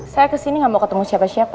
saya kesini gak mau ketemu siapa siapa